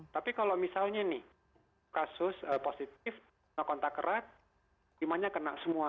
tapi kalau misalnya nih kasus positif cuma kontak kerat lima nya kena semua